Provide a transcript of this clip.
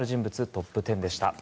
トップ１０でした。